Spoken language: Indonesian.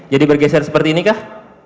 bergeser seperti ini kah